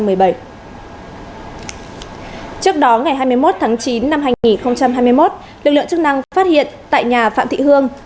trước đó ngày hai mươi một tháng chín năm hai nghìn hai mươi một lực lượng chức năng phát hiện tại nhà phạm thị hương